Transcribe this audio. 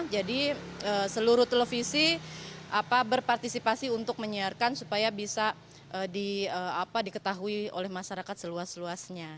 jadi seluruh televisi berpartisipasi untuk menyiarkan supaya bisa diketahui oleh masyarakat seluas luasnya